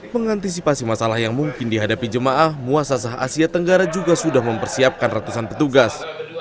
mengantisipasi masalah yang mungkin dihadapi jemaah muasasah asia tenggara juga sudah mempersiapkan ratusan petugas